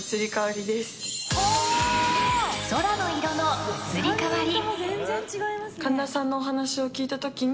空の色の移り変わり。